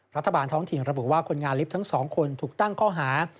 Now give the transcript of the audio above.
ท้องถิ่นระบุว่าคนงานลิฟต์ทั้งสองคนถูกตั้งข้อหา